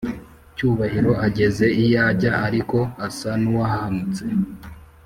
Cyubahiro ageze iyajya ariko asa nuwahahamutse